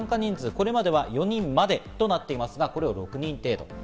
これまでは４人までとなっていますが参加人数を６人までと。